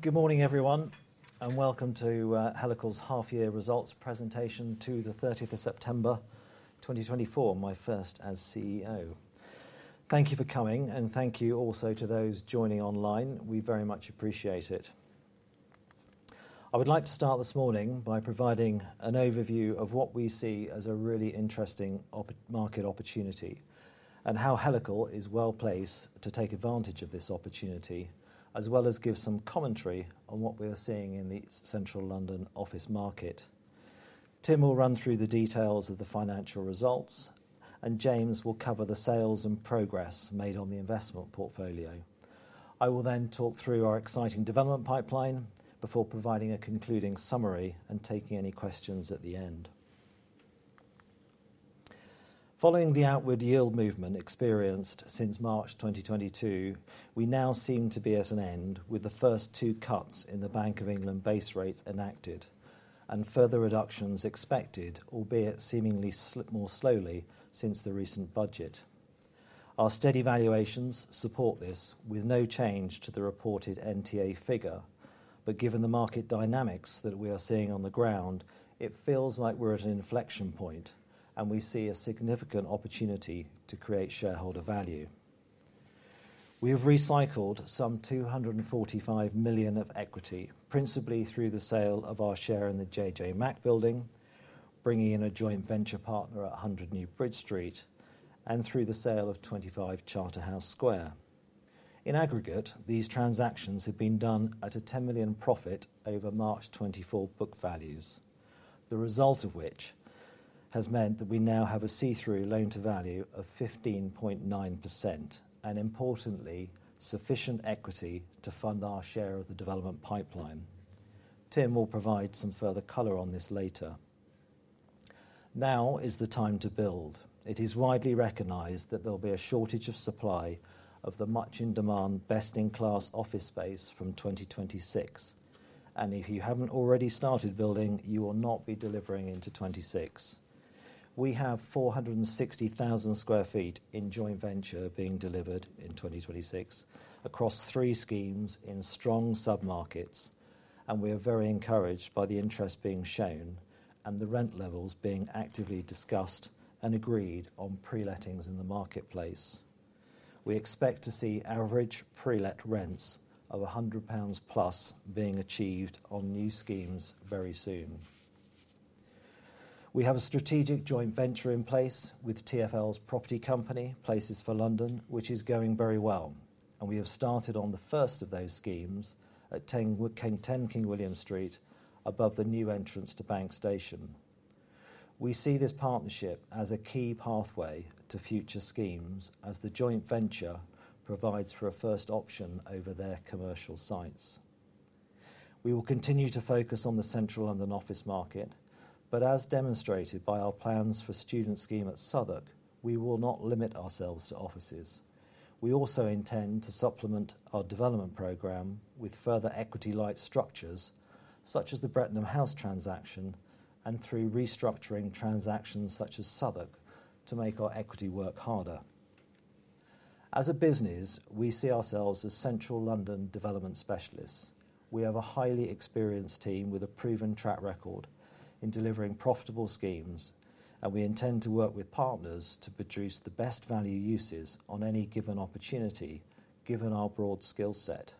Good morning, everyone, and welcome to Helical's half-year results presentation to the 30th of September, 2024, my first as CEO. Thank you for coming, and thank you also to those joining online. We very much appreciate it. I would like to start this morning by providing an overview of what we see as a really interesting market opportunity and how Helical is well placed to take advantage of this opportunity, as well as give some commentary on what we are seeing in the Central London office market. Tim will run through the details of the financial results, and James will cover the sales and progress made on the investment portfolio. I will then talk through our exciting development pipeline before providing a concluding summary and taking any questions at the end. Following the outward yield movement experienced since March 2022, we now seem to be at an end with the first two cuts in the Bank of England base rates enacted and further reductions expected, albeit seemingly more slowly since the recent budget. Our steady valuations support this with no change to the reported NTA figure, but given the market dynamics that we are seeing on the ground, it feels like we're at an inflection point, and we see a significant opportunity to create shareholder value. We have recycled some 245 million of equity, principally through the sale of our share in the JJ Mack Building, bringing in a joint venture partner at 100 New Bridge Street, and through the sale of 25 Charterhouse Square. In aggregate, these transactions have been done at a £10 million profit over March 2024 book values, the result of which has meant that we now have a see-through loan to value of 15.9% and, importantly, sufficient equity to fund our share of the development pipeline. Tim will provide some further color on this later. Now is the time to build. It is widely recognized that there'll be a shortage of supply of the much in-demand, best-in-class office space from 2026, and if you haven't already started building, you will not be delivering into 2026. We have 460,000 sq ft in joint venture being delivered in 2026 across three schemes in strong sub-markets, and we are very encouraged by the interest being shown and the rent levels being actively discussed and agreed on pre-lettings in the marketplace. We expect to see average pre-let rents of £100 plus being achieved on new schemes very soon. We have a strategic joint venture in place with TfL's property company, Places for London, which is going very well, and we have started on the first of those schemes at 10 King William Street, above the new entrance to Bank Station. We see this partnership as a key pathway to future schemes as the joint venture provides for a first option over their commercial sites. We will continue to focus on the Central London office market, but as demonstrated by our plans for student scheme at Southwark, we will not limit ourselves to offices. We also intend to supplement our development program with further equity-light structures such as the Brettenham House transaction and through restructuring transactions such as Southwark to make our equity work harder. As a business, we see ourselves as Central London development specialists. We have a highly experienced team with a proven track record in delivering profitable schemes, and we intend to work with partners to produce the best value uses on any given opportunity, given our broad skill set.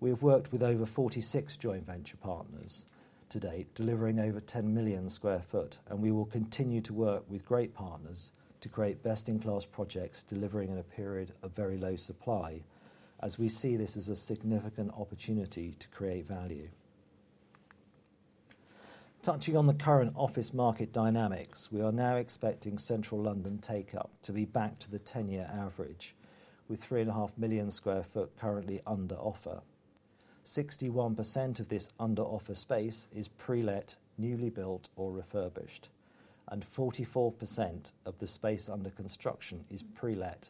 We have worked with over 46 joint venture partners to date, delivering over 10 million sq ft, and we will continue to work with great partners to create best-in-class projects delivering in a period of very low supply, as we see this as a significant opportunity to create value. Touching on the current office market dynamics, we are now expecting Central London take-up to be back to the 10-year average, with 3.5 million sq ft currently under offer. 61% of this under-offer space is pre-let, newly built, or refurbished, and 44% of the space under construction is pre-let,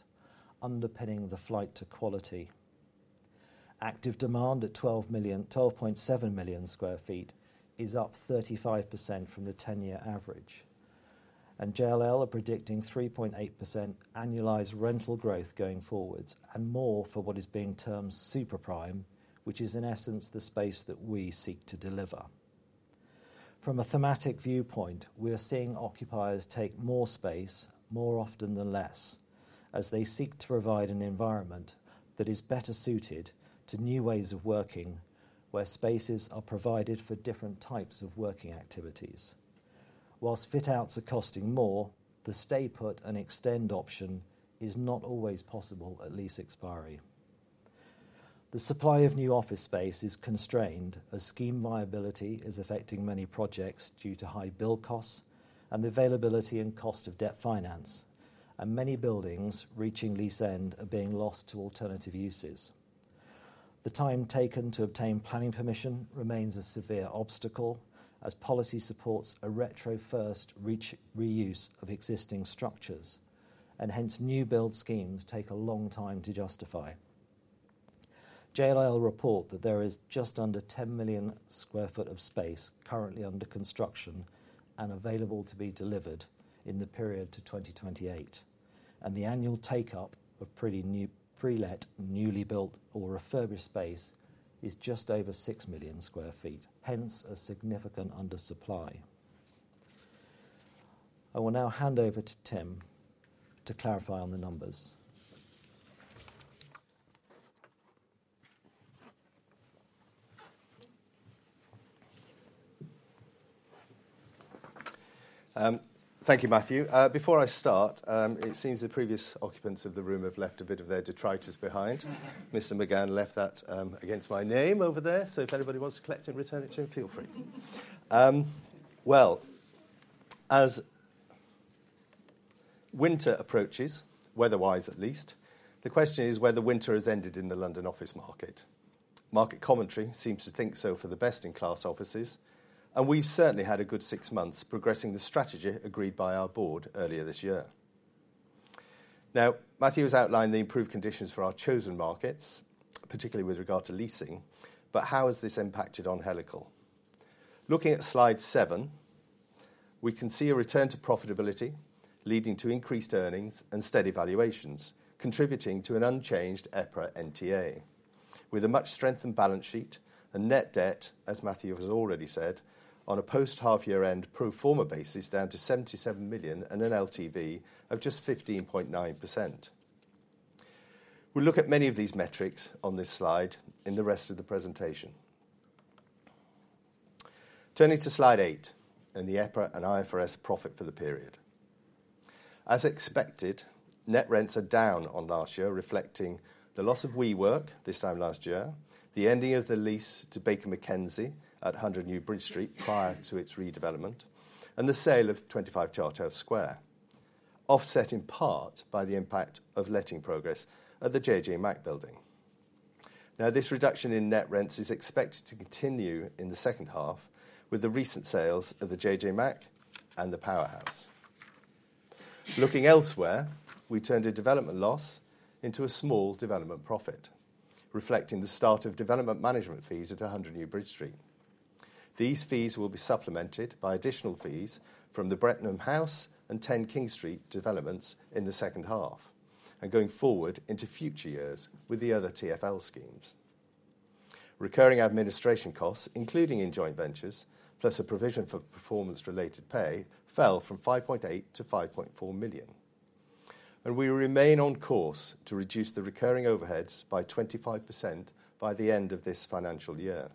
underpinning the flight to quality. Active demand at 12.7 million sq ft is up 35% from the 10-year average, and JLL are predicting 3.8% annualized rental growth going forward and more for what is being termed Super Prime, which is, in essence, the space that we seek to deliver. From a thematic viewpoint, we are seeing occupiers take more space more often than less as they seek to provide an environment that is better suited to new ways of working where spaces are provided for different types of working activities. While fit-outs are costing more, the stay-put and extend option is not always possible at lease expiry. The supply of new office space is constrained as scheme viability is affecting many projects due to high build costs and the availability and cost of debt finance, and many buildings reaching lease end are being lost to alternative uses. The time taken to obtain planning permission remains a severe obstacle as policy supports a retrofit-first reuse of existing structures, and hence new build schemes take a long time to justify. JLL report that there is just under 10 million sq ft of space currently under construction and available to be delivered in the period to 2028, and the annual take-up of pre-let, newly built, or refurbished space is just over 6 million sq ft, hence a significant undersupply. I will now hand over to Tim to clarify on the numbers. Thank you, Matthew. Before I start, it seems the previous occupants of the room have left a bit of their detritus behind. Mr. McGann left that against my name over there, so if anybody wants to collect it and return it to him, feel free. Well, as winter approaches, weather-wise at least, the question is whether winter has ended in the London office market. Market commentary seems to think so for the best-in-class offices, and we've certainly had a good six months progressing the strategy agreed by our board earlier this year. Now, Matthew has outlined the improved conditions for our chosen markets, particularly with regard to leasing, but how has this impacted on Helical? Looking at slide seven, we can see a return to profitability leading to increased earnings and steady valuations, contributing to an unchanged EPRA NTA, with a much-strengthened balance sheet and net debt, as Matthew has already said, on a post-half-year end pro forma basis down to 77 million and an LTV of just 15.9%. We'll look at many of these metrics on this slide in the rest of the presentation. Turning to slide eight and the EPRA and IFRS profit for the period. As expected, net rents are down on last year, reflecting the loss of WeWork this time last year, the ending of the lease to Baker McKenzie at 100 New Bridge Street prior to its redevelopment, and the sale of 25 Charterhouse Square, offset in part by the impact of letting progress at the JJ Mack Building. Now, this reduction in net rents is expected to continue in the second half with the recent sales of the JJ Mack and the Powerhouse. Looking elsewhere, we turned a development loss into a small development profit, reflecting the start of development management fees at 100 New Bridge Street. These fees will be supplemented by additional fees from the Brettenham House and 10 King William Street developments in the second half and going forward into future years with the other TfL schemes. Recurring administration costs, including in joint ventures, plus a provision for performance-related pay, fell from 5.8 million to 5.4 million, and we remain on course to reduce the recurring overheads by 25% by the end of this financial year.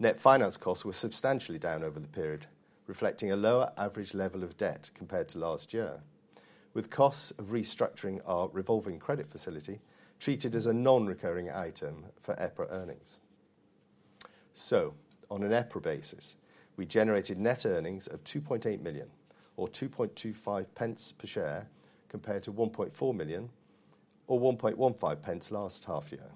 Net finance costs were substantially down over the period, reflecting a lower average level of debt compared to last year, with costs of restructuring our revolving credit facility treated as a non-recurring item for EPRA earnings. So, on an EPRA basis, we generated net earnings of 2.8 million, or 0.0225 per share, compared to 1.4 million, or 0.0115 last half year.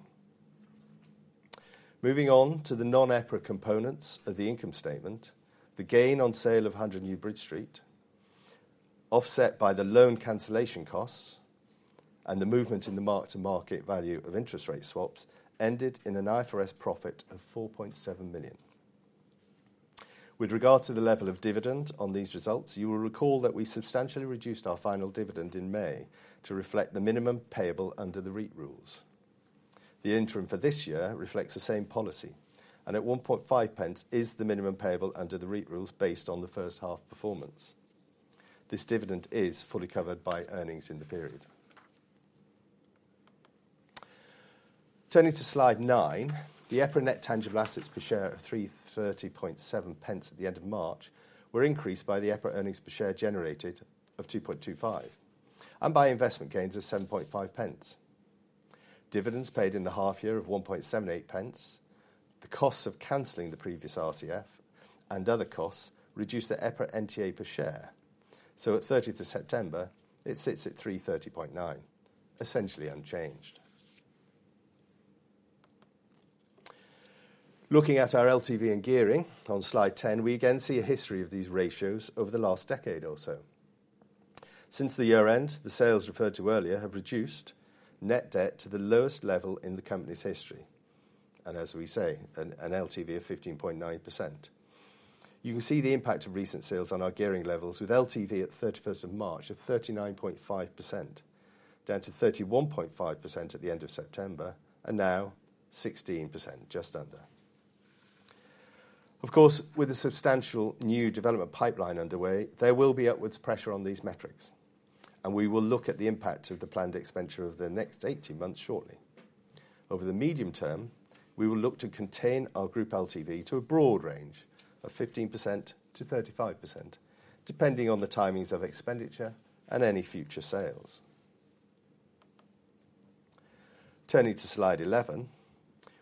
Moving on to the non-EPRA components of the income statement, the gain on sale of 100 New Bridge Street, offset by the loan cancellation costs and the movement in the mark-to-market value of interest rate swaps, ended in an IFRS profit of 4.7 million. With regard to the level of dividend on these results, you will recall that we substantially reduced our final dividend in May to reflect the minimum payable under the REIT rules. The interim for this year reflects the same policy, and at 0.015 is the minimum payable under the REIT rules based on the first half performance. This dividend is fully covered by earnings in the period. Turning to slide nine, the EPRA net tangible assets per share of 3.307 at the end of March were increased by the EPRA earnings per share generated of 0.0225 and by investment gains of 0.075. Dividends paid in the half year of 0.0178, the costs of cancelling the previous RCF, and other costs reduced the EPRA NTA per share. So, at 30th of September, it sits at 3.309, essentially unchanged. Looking at our LTV and gearing on slide 10, we again see a history of these ratios over the last decade or so. Since the year-end, the sales referred to earlier have reduced net debt to the lowest level in the company's history, and as we say, an LTV of 15.9%. You can see the impact of recent sales on our gearing levels with LTV at 31st of March of 39.5%, down to 31.5% at the end of September, and now 16%, just under. Of course, with a substantial new development pipeline underway, there will be upwards pressure on these metrics, and we will look at the impact of the planned expenditure over the next 18 months shortly. Over the medium term, we will look to contain our group LTV to a broad range of 15%-35%, depending on the timings of expenditure and any future sales. Turning to slide 11,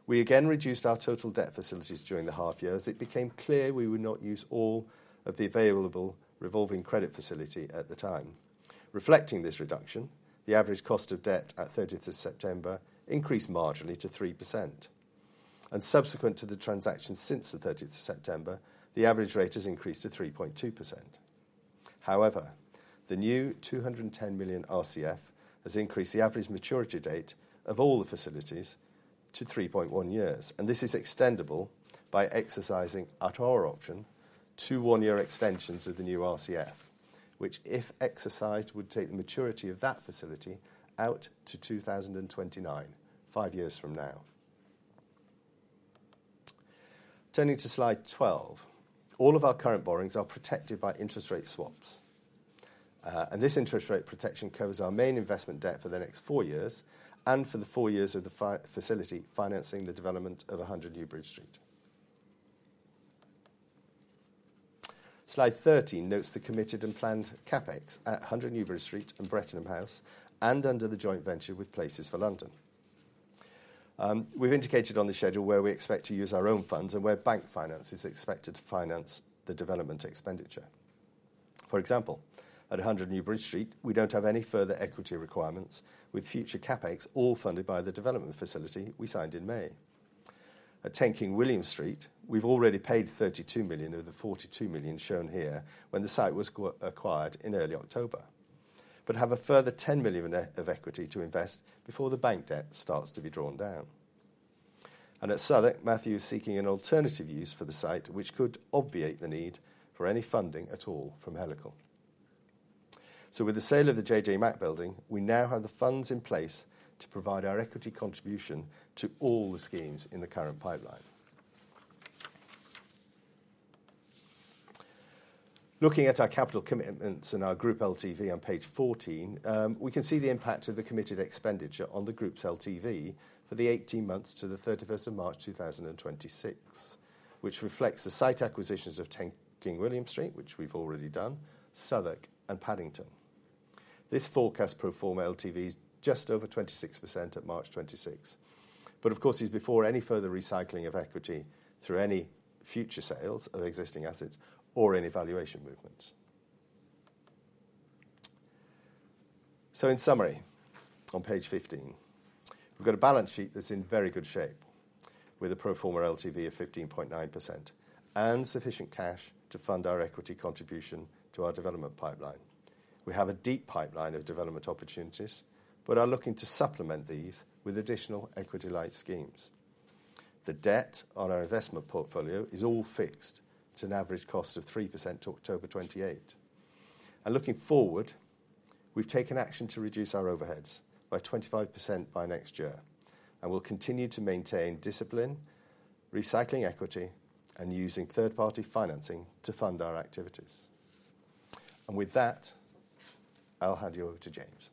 we again reduced our total debt facilities during the half year as it became clear we would not use all of the available revolving credit facility at the time. Reflecting this reduction, the average cost of debt at 30th of September increased marginally to 3%, and subsequent to the transaction since the 30th of September, the average rate has increased to 3.2%. However, the new 210 million RCF has increased the average maturity date of all the facilities to 3.1 years, and this is extendable by exercising at our option two one-year extensions of the new RCF, which, if exercised, would take the maturity of that facility out to 2029, five years from now. Turning to slide 12, all of our current borrowings are protected by interest rate swaps, and this interest rate protection covers our main investment debt for the next four years and for the four years of the facility financing the development of 100 New Bridge Street. Slide 13 notes the committed and planned CapEx at 100 New Bridge Street and Brettenham House and under the joint venture with Places for London. We've indicated on the schedule where we expect to use our own funds and where bank finance is expected to finance the development expenditure. For example, at 100 New Bridge Street, we don't have any further equity requirements with future CapEx all funded by the development facility we signed in May. At 10 King William Street, we've already paid 32 million of the 42 million shown here when the site was acquired in early October, but have a further 10 million of equity to invest before the bank debt starts to be drawn down. And at Southwark, Matthew is seeking an alternative use for the site, which could obviate the need for any funding at all from Helical. So, with the sale of the JJ Mack Building, we now have the funds in place to provide our equity contribution to all the schemes in the current pipeline. Looking at our capital commitments and our group LTV on page 14, we can see the impact of the committed expenditure on the group's LTV for the 18 months to the 31st of March 2026, which reflects the site acquisitions of 10 King William Street, which we've already done, Southwark, and Paddington. This forecast proforma LTV is just over 26% at March 2026, but of course, it's before any further recycling of equity through any future sales of existing assets or any valuation movements. So, in summary, on page 15, we've got a balance sheet that's in very good shape with a proforma LTV of 15.9% and sufficient cash to fund our equity contribution to our development pipeline. We have a deep pipeline of development opportunities, but are looking to supplement these with additional equity-light schemes. The debt on our investment portfolio is all fixed to an average cost of 3% to October 2028. And looking forward, we've taken action to reduce our overheads by 25% by next year, and we'll continue to maintain discipline, recycling equity, and using third-party financing to fund our activities. And with that, I'll hand you over to James.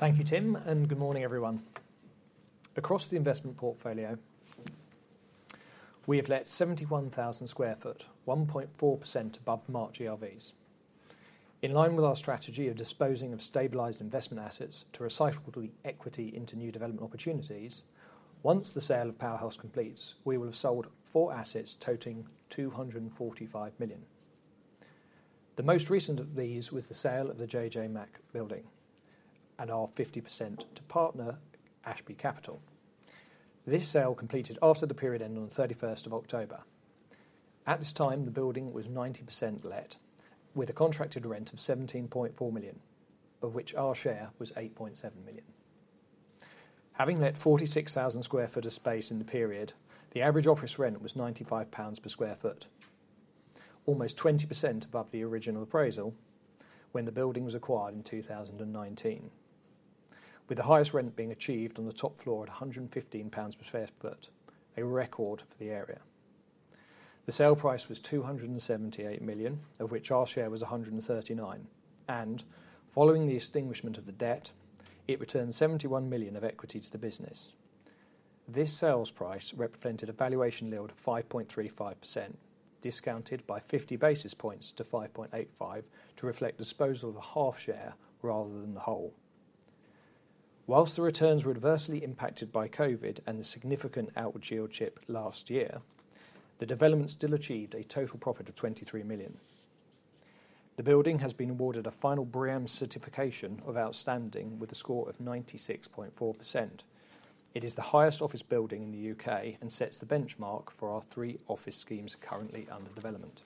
Thank you, Tim, and good morning, everyone. Across the investment portfolio, we have let 71,000 sq ft, 1.4% above March ERVs. In line with our strategy of disposing of stabilized investment assets to recycle the equity into new development opportunities, once the sale of Powerhouse completes, we will have sold four assets totaling 245 million. The most recent of these was the sale of the JJ Mack Building and our 50% to partner AshbyCapital. This sale completed after the period ended on the 31st of October. At this time, the building was 90% let, with a contracted rent of 17.4 million, of which our share was 8.7 million. Having let 46,000 sq ft of space in the period, the average office rent was 95 pounds per sq ft, almost 20% above the original appraisal when the building was acquired in 2019, with the highest rent being achieved on the top floor at GBP 115 per sq ft, a record for the area. The sale price was GBP 278 million, of which our share was GBP 139 million, and following the extinguishment of the debt, it returned GBP 71 million of equity to the business. This sales price represented a valuation yield of 5.35%, discounted by 50 basis points to 5.85% to reflect disposal of a half share rather than the whole. Whilst the returns were adversely impacted by COVID and the significant outward yield shift last year, the development still achieved a total profit of 23 million. The building has been awarded a final BREEAM certification of Outstanding with a score of 96.4%. It is the highest office building in the U.K. and sets the benchmark for our three office schemes currently under development.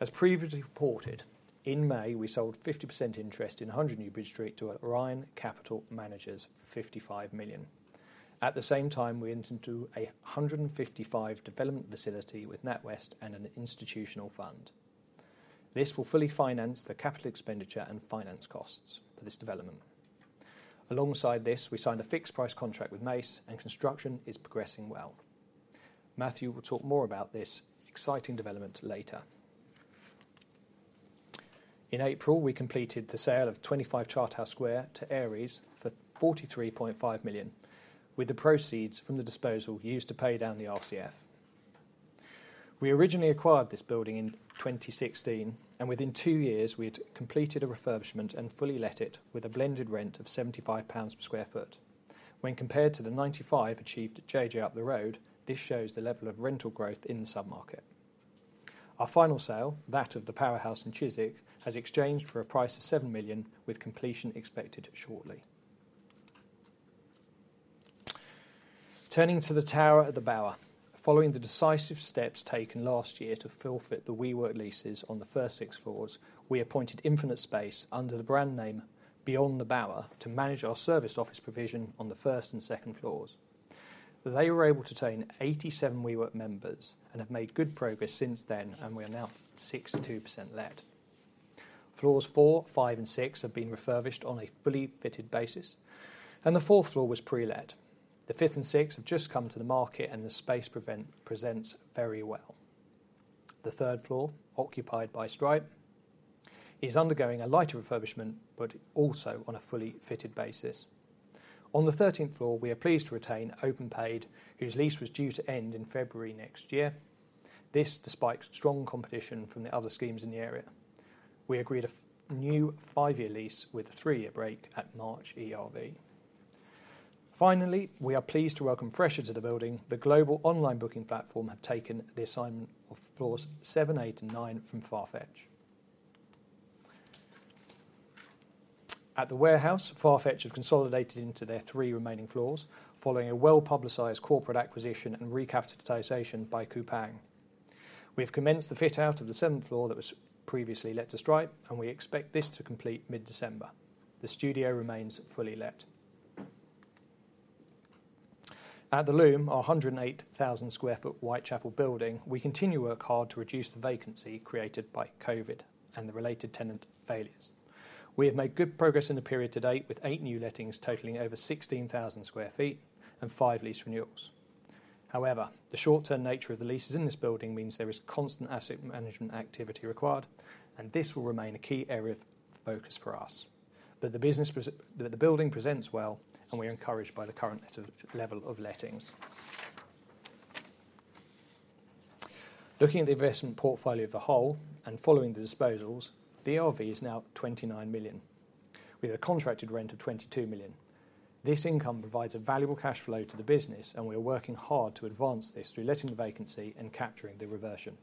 As previously reported, in May, we sold 50% interest in 100 New Bridge Street to Orion Capital Managers for 55 million. At the same time, we entered into a 155 million development facility with NatWest and an institutional fund. This will fully finance the capital expenditure and finance costs for this development. Alongside this, we signed a fixed price contract with Mace, and construction is progressing well. Matthew will talk more about this exciting development later. In April, we completed the sale of 25 Charterhouse Square to Ares for 43.5 million, with the proceeds from the disposal used to pay down the RCF. We originally acquired this building in 2016, and within two years, we had completed a refurbishment and fully let it with a blended rent of 75 pounds per sq ft. When compared to the 95 achieved at JJ up the road, this shows the level of rental growth in the submarket. Our final sale, that of the Powerhouse in Chiswick, has exchanged for a price of 7 million, with completion expected shortly. Turning to The Tower at The Bower, following the decisive steps taken last year to full-fit the WeWork leases on the first six floors, we appointed InfinitSpace under the brand name beyond The Bower to manage our service office provision on the first and second floors. They were able to attain 87 WeWork members and have made good progress since then, and we are now 62% let. Floors four, five, and six have been refurbished on a fully fitted basis, and the fourth floor was pre-let. The fifth and sixth have just come to the market, and the space presents very well. The third floor, occupied by Stripe, is undergoing a lighter refurbishment, but also on a fully fitted basis. On the 13th floor, we are pleased to retain OpenPayd, whose lease was due to end in February next year. This despite strong competition from the other schemes in the area. We agreed a new five-year lease with a three-year break at March ERV. Finally, we are pleased to welcome Fresha to the building. The global online booking platform has taken the assignment of floors seven, eight, and nine from Farfetch. At The Warehouse, Farfetch have consolidated into their three remaining floors following a well-publicized corporate acquisition and recapitalization by Coupang. We have commenced the fit-out of the seventh floor that was previously let to Stripe, and we expect this to complete mid-December. The Studio remains fully let. At The Loom, our 108,000 sq ft Whitechapel building, we continue to work hard to reduce the vacancy created by COVID and the related tenant failures. We have made good progress in the period to date, with eight new lettings totaling over 16,000 sq ft and five lease renewals. However, the short-term nature of the leases in this building means there is constant asset management activity required, and this will remain a key area of focus for us. But the building presents well, and we are encouraged by the current level of lettings. Looking at the investment portfolio as a whole and following the disposals, the ERV is now 29 million, with a contracted rent of 22 million. This income provides a valuable cash flow to the business, and we are working hard to advance this through letting the vacancy and capturing the reversion.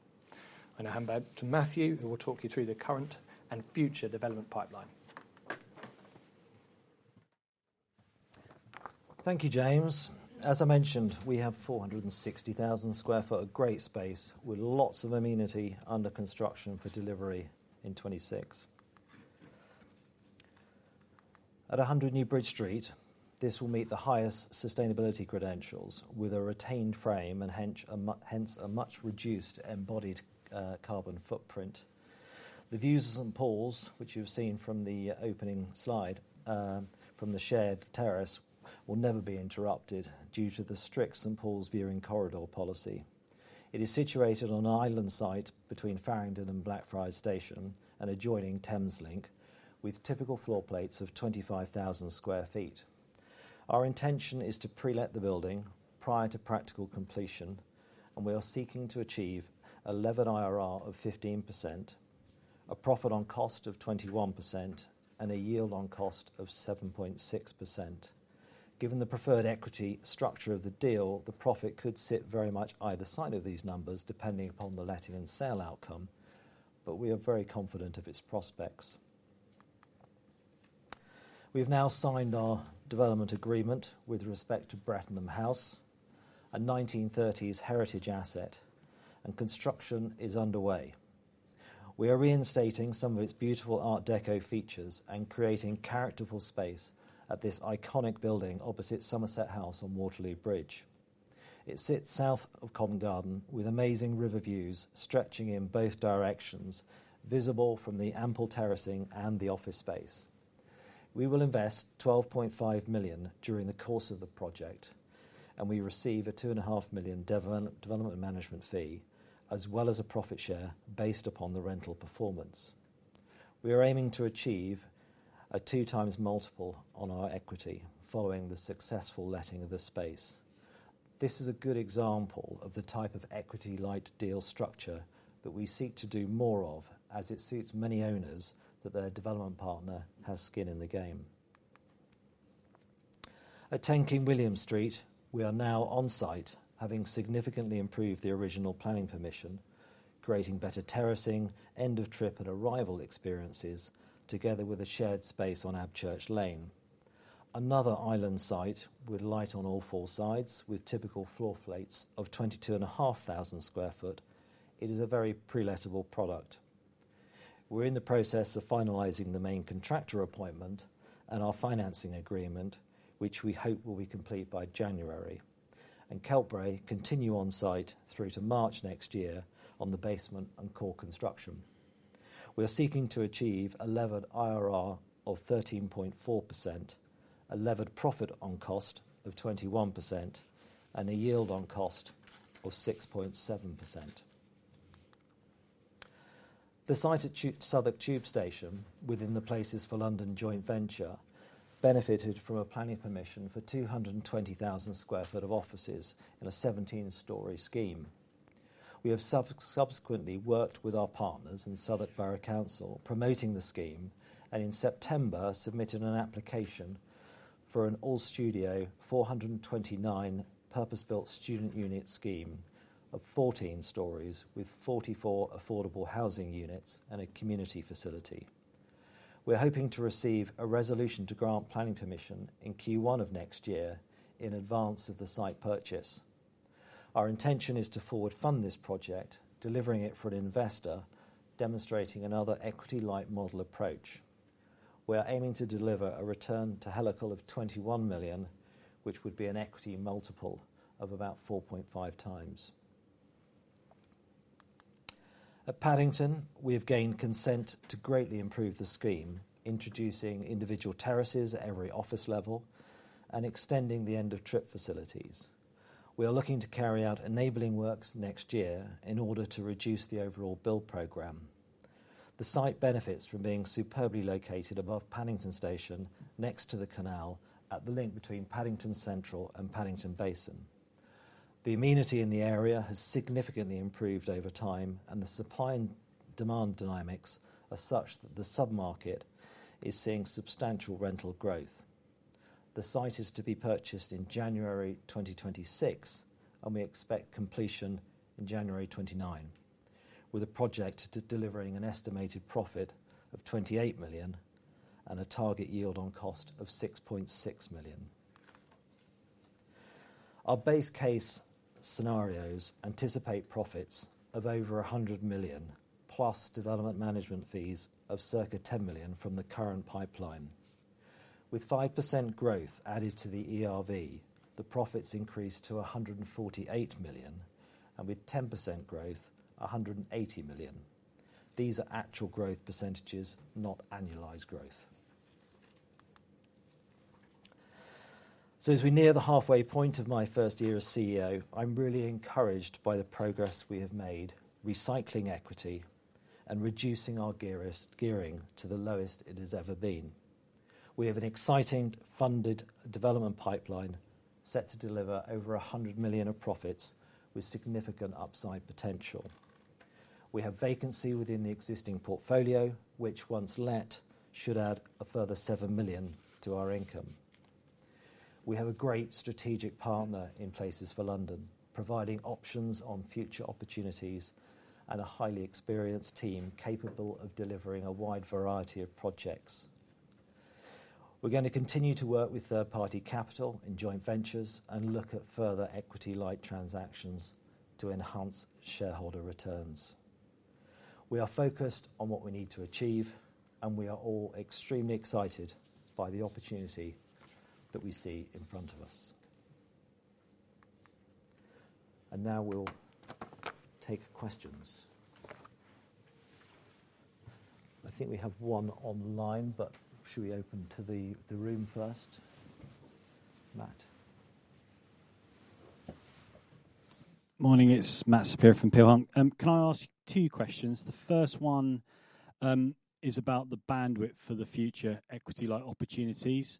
I now hand back to Matthew, who will talk you through the current and future development pipeline. Thank you, James. As I mentioned, we have 460,000 sq ft of great space with lots of amenity under construction for delivery in 2026. At 100 New Bridge Street, this will meet the highest sustainability credentials with a retained frame and hence a much reduced embodied carbon footprint. The views of St. Paul's, which you've seen from the opening slide from the shared terrace, will never be interrupted due to the strict St. Paul's viewing corridor policy. It is situated on an island site between Farringdon and Blackfriars Station and adjoining Thameslink, with typical floor plates of 25,000 sq ft. Our intention is to pre-let the building prior to practical completion, and we are seeking to achieve a level IRR of 15%, a profit on cost of 21%, and a yield on cost of 7.6%. Given the preferred equity structure of the deal, the profit could sit very much either side of these numbers, depending upon the letting and sale outcome, but we are very confident of its prospects. We have now signed our development agreement with respect to Brettenham House, a 1930s heritage asset, and construction is underway. We are reinstating some of its beautiful Art Deco features and creating characterful space at this iconic building opposite Somerset House on Waterloo Bridge. It sits south of Covent Garden with amazing river views stretching in both directions, visible from the ample terracing and the office space. We will invest 12.5 million during the course of the project, and we receive a 2.5 million development management fee as well as a profit share based upon the rental performance. We are aiming to achieve a two-times multiple on our equity following the successful letting of the space. This is a good example of the type of equity-light deal structure that we seek to do more of, as it suits many owners that their development partner has skin in the game. At 10 King William Street, we are now on-site, having significantly improved the original planning permission, creating better terracing, end-of-trip and arrival experiences, together with a shared space on Abchurch Lane. Another island site with light on all four sides, with typical floor plates of 22,500 sq ft, it is a very pre-lettable product. We're in the process of finalizing the main contractor appointment and our financing agreement, which we hope will be complete by January, and Keltbray continue on-site through to March next year on the basement and core construction. We are seeking to achieve a level IRR of 13.4%, a level profit on cost of 21%, and a yield on cost of 6.7%. The site at Southwark Tube Station, within the Places for London joint venture, benefited from a planning permission for 220,000 sq ft of offices in a 17-story scheme. We have subsequently worked with our partners in Southwark Borough Council promoting the scheme and in September submitted an application for an all-studio, 429 purpose-built student unit scheme of 14 stories with 44 affordable housing units and a community facility. We're hoping to receive a resolution to grant planning permission in Q1 of next year in advance of the site purchase. Our intention is to forward fund this project, delivering it for an investor, demonstrating another equity-light model approach. We are aiming to deliver a return to Helical of 21 million, which would be an equity multiple of about 4.5 times. At Paddington, we have gained consent to greatly improve the scheme, introducing individual terraces at every office level and extending the end-of-trip facilities. We are looking to carry out enabling works next year in order to reduce the overall build program. The site benefits from being superbly located above Paddington Station, next to the canal at the link between Paddington Central and Paddington Basin. The amenity in the area has significantly improved over time, and the supply and demand dynamics are such that the submarket is seeing substantial rental growth. The site is to be purchased in January 2026, and we expect completion in January 2029, with a project delivering an estimated profit of 28 million and a target yield on cost of 6.6 million. Our base case scenarios anticipate profits of over 100 million, plus development management fees of circa 10 million from the current pipeline. With 5% growth added to the ERV, the profits increase to 148 million, and with 10% growth, 180 million. These are actual growth percentages, not annualized growth. So as we near the halfway point of my first year as CEO, I'm really encouraged by the progress we have made, recycling equity, and reducing our gearing to the lowest it has ever been. We have an exciting funded development pipeline set to deliver over 100 million of profits with significant upside potential. We have vacancy within the existing portfolio, which once let should add a further seven million to our income. We have a great strategic partner in Places for London, providing options on future opportunities and a highly experienced team capable of delivering a wide variety of projects. We're going to continue to work with third-party capital in joint ventures and look at further equity-light transactions to enhance shareholder returns. We are focused on what we need to achieve, and we are all extremely excited by the opportunity that we see in front of us, and now we'll take questions. I think we have one online, but should we open to the room first? Matt. Morning, it's Matt Saperia from Peel Hunt. Can I ask two questions? The first one is about the bandwidth for the future equity-light opportunities.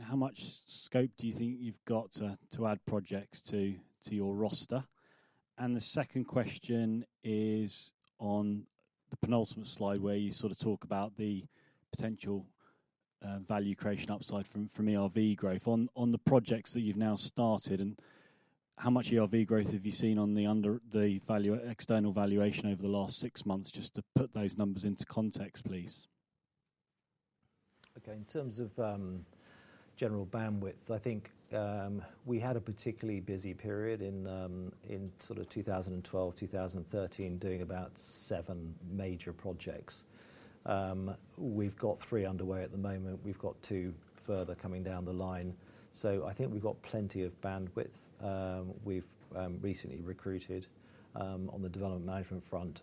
How much scope do you think you've got to add projects to your roster? And the second question is on the penultimate slide where you sort of talk about the potential value creation upside from ERV growth. On the projects that you've now started, how much ERV growth have you seen on the external valuation over the last six months? Just to put those numbers into context, please. Okay, in terms of general bandwidth, I think we had a particularly busy period in sort of 2012, 2013, doing about seven major projects. We've got three underway at the moment. We've got two further coming down the line. So I think we've got plenty of bandwidth. We've recently recruited on the development management front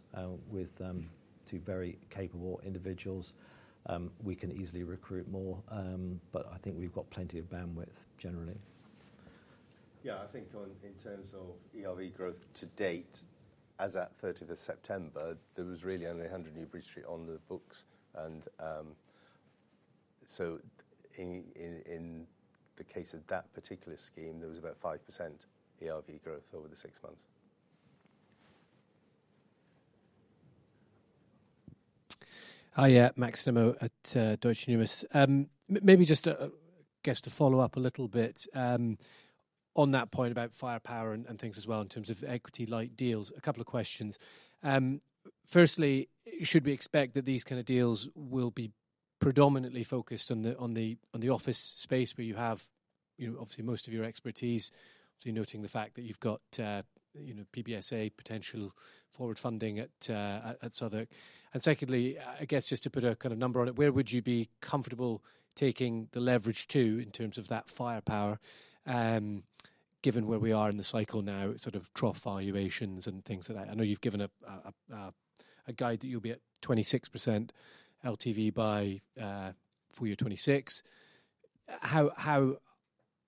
with two very capable individuals. We can easily recruit more, but I think we've got plenty of bandwidth generally. Yeah, I think in terms of ERV growth to date, as at 30th of September, there was really only 100 New Bridge Street on the books, and so in the case of that particular scheme, there was about 5% ERV growth over the six months. Hi, yeah, Max Nimmo at Deutsche Numis. Maybe just a quick to follow up a little bit on that point about firepower and things as well in terms of equity-light deals. A couple of questions. Firstly, should we expect that these kind of deals will be predominantly focused on the office space where you have obviously most of your expertise, obviously noting the fact that you've got PBSA potential forward funding at Southwark? And secondly, I guess just to put a kind of number on it, where would you be comfortable taking the leverage to in terms of that firepower, given where we are in the cycle now, sort of trough valuations and things like that? I know you've given a guide that you'll be at 26% LTV by FY 2026. How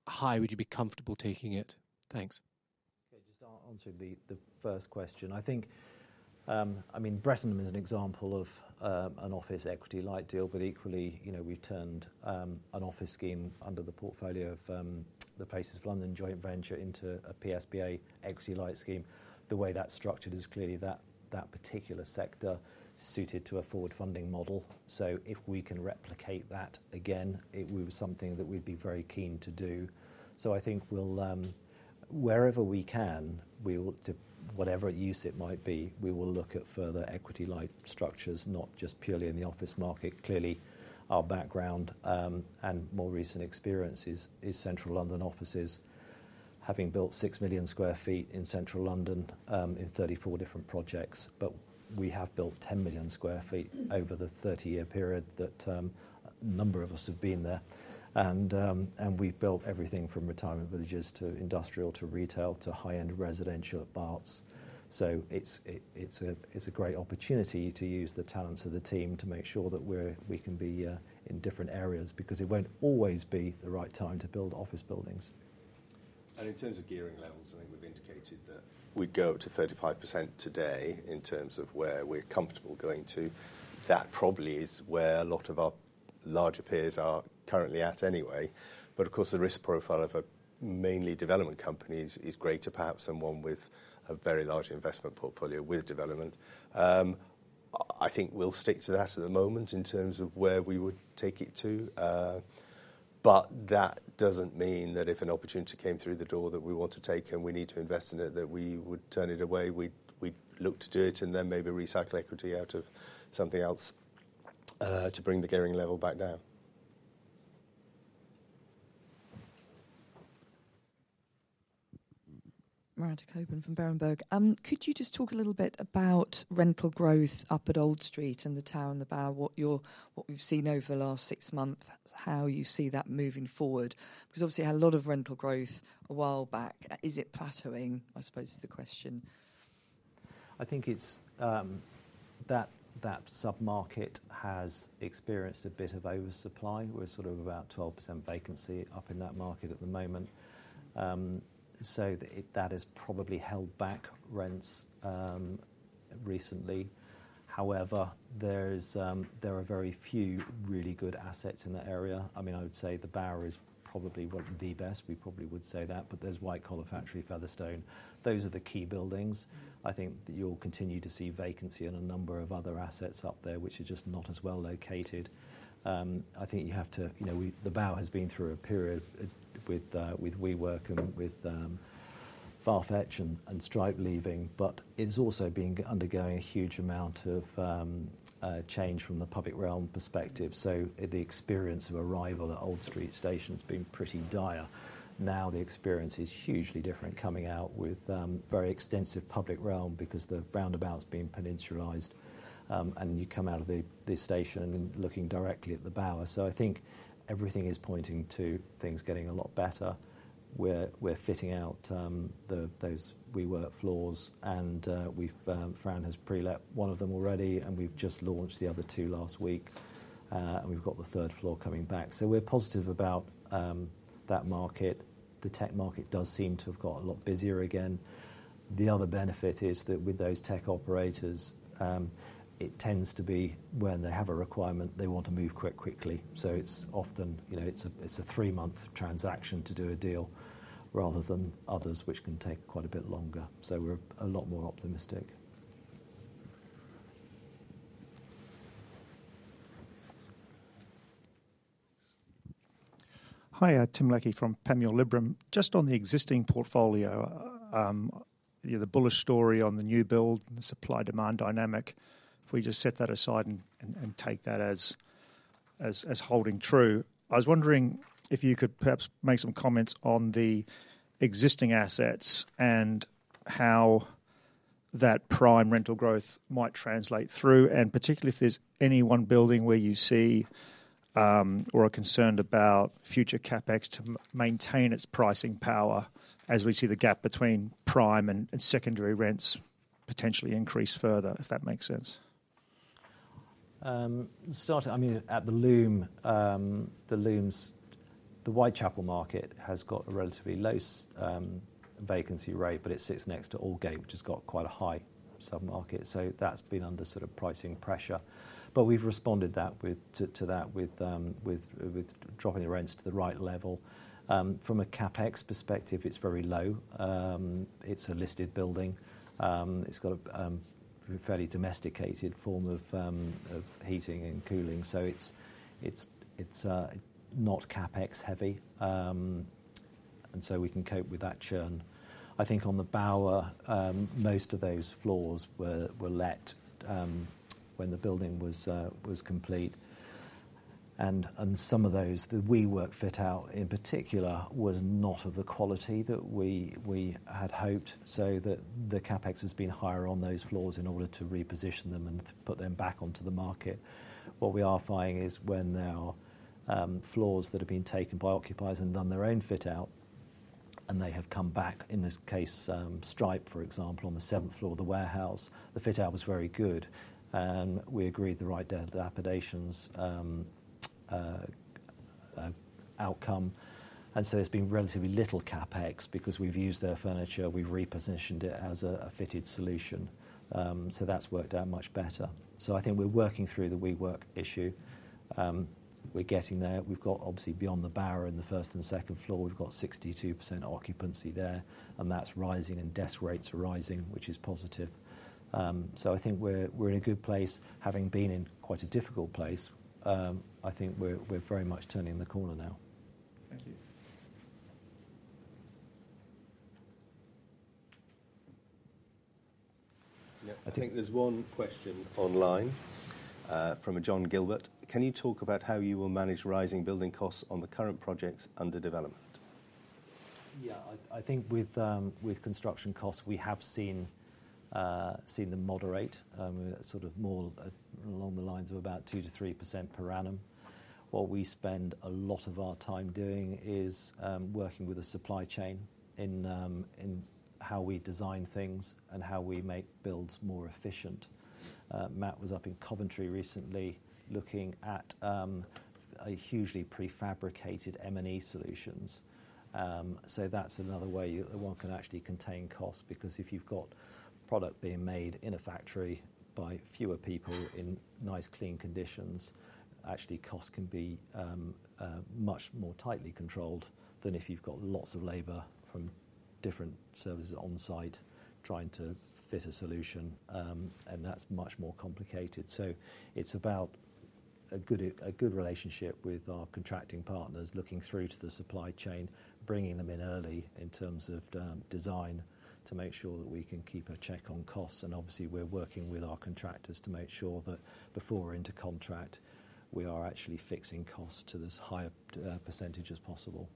high would you be comfortable taking it? Thanks. Okay, just answering the first question. I think, I mean, Brettenham is an example of an office equity-light deal, but equally, we've turned an office scheme under the portfolio of the Places for London joint venture into a PBSA equity-light scheme. The way that's structured is clearly that that particular sector suited to a forward funding model, so if we can replicate that again, it would be something that we'd be very keen to do. So I think wherever we can, whatever use it might be, we will look at further equity-light structures, not just purely in the office market. Clearly, our background and more recent experiences is Central London offices, having built 6 million sq ft in Central London in 34 different projects, but we have built 10 million sq ft over the 30-year period that a number of us have been there. We've built everything from retirement villages to industrial to retail to high-end residential at Barts. It's a great opportunity to use the talents of the team to make sure that we can be in different areas because it won't always be the right time to build office buildings. And in terms of gearing levels, I think we've indicated that we'd go up to 35% today in terms of where we're comfortable going to. That probably is where a lot of our larger peers are currently at anyway. But of course, the risk profile of a mainly development company is greater, perhaps, than one with a very large investment portfolio with development. I think we'll stick to that at the moment in terms of where we would take it to. But that doesn't mean that if an opportunity came through the door that we want to take and we need to invest in it, that we would turn it away. We'd look to do it and then maybe recycle equity out of something else to bring the gearing level back down. Miranda Cockburn from Berenberg. Could you just talk a little bit about rental growth up at Old Street and the Tower, the Bower, what you've seen over the last six months, how you see that moving forward? Because obviously, you had a lot of rental growth a while back. Is it plateauing, I suppose, is the question? I think it's that that submarket has experienced a bit of oversupply. We're sort of about 12% vacancy up in that market at the moment. So that has probably held back rents recently. However, there are very few really good assets in the area. I mean, I would say The Bower is probably the best. We probably would say that, but there's White Collar Factory, Featherstone. Those are the key buildings. I think that you'll continue to see vacancy in a number of other assets up there, which are just not as well located. I think you have to, you know, The Bower has been through a period with WeWork and with Farfetch and Stripe leaving, but it's also been undergoing a huge amount of change from the public realm perspective. So the experience of arrival at Old Street Station has been pretty dire. Now the experience is hugely different coming out with very extensive public realm because the roundabout's been peninsulized and you come out of the station and looking directly at The Bower. So I think everything is pointing to things getting a lot better. We're fitting out those WeWork floors and Fran has pre-let one of them already and we've just launched the other two last week and we've got the third floor coming back. So we're positive about that market. The tech market does seem to have got a lot busier again. The other benefit is that with those tech operators, it tends to be when they have a requirement, they want to move quite quickly. So it's often, you know, it's a three-month transaction to do a deal rather than others, which can take quite a bit longer. So we're a lot more optimistic. Hi, Tim Leckie from Panmure Liberum. Just on the existing portfolio, the bullish story on the new build and the supply-demand dynamic, if we just set that aside and take that as holding true, I was wondering if you could perhaps make some comments on the existing assets and how that prime rental growth might translate through, and particularly if there's any one building where you see or are concerned about future CapEx to maintain its pricing power as we see the gap between prime and secondary rents potentially increase further, if that makes sense. Starting, I mean, at The Loom, the Whitechapel market has got a relatively low vacancy rate, but it sits next to Aldgate, which has got quite a high submarket. So that's been under sort of pricing pressure. But we've responded to that with dropping the rents to the right level. From a CapEx perspective, it's very low. It's a listed building. It's got a fairly domesticated form of heating and cooling. So it's not CapEx heavy. And so we can cope with that churn. I think on The Bower, most of those floors were let when the building was complete. And some of those that WeWork fit out in particular was not of the quality that we had hoped. So the CapEx has been higher on those floors in order to reposition them and put them back onto the market. What we are finding is when there are floors that have been taken by occupiers and done their own fit-out and they have come back, in this case, Stripe, for example, on the seventh floor of The Warehouse, the fit-out was very good. And we agreed the right dilapidations outcome. And so there's been relatively little CapEx because we've used their furniture. We've repositioned it as a fitted solution. So that's worked out much better. So I think we're working through the WeWork issue. We're getting there. We've got obviously beyond The Bower in the first and second floor, we've got 62% occupancy there. And that's rising and desk rates are rising, which is positive. So I think we're in a good place. Having been in quite a difficult place, I think we're very much turning the corner now. Thank you. I think there's one question online from a John Gilbert. Can you talk about how you will manage rising building costs on the current projects under development? Yeah, I think with construction costs, we have seen them moderate, sort of more along the lines of about 2%-3% per annum. What we spend a lot of our time doing is working with the supply chain in how we design things and how we make builds more efficient. Matt was up in Coventry recently looking at hugely prefabricated M&E solutions. So that's another way one can actually contain costs because if you've got product being made in a factory by fewer people in nice clean conditions, actually costs can be much more tightly controlled than if you've got lots of labor from different services on site trying to fit a solution, and that's much more complicated. It's about a good relationship with our contracting partners, looking through to the supply chain, bringing them in early in terms of design to make sure that we can keep a check on costs. And obviously, we're working with our contractors to make sure that before we're into contract, we are actually fixing costs to as high a percentage as possible.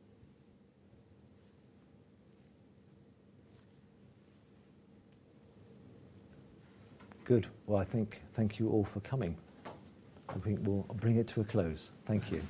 Good. Well, I think thank you all for coming. I think we'll bring it to a close. Thank you.